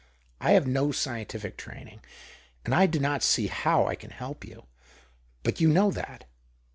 I have no cientitic training, and I do not see how I can elp you. But you know that.